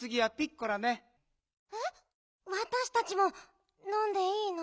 わたしたちものんでいいの？